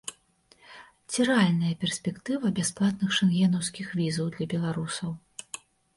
Ці рэальная перспектыва бясплатных шэнгенаўскіх візаў для беларусаў?